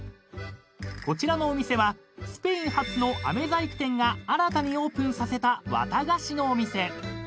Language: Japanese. ［こちらのお店はスペイン発のあめ細工店が新たにオープンさせた綿菓子のお店］